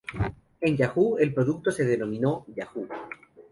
En Yahoo!, el producto se denominó "Yahoo!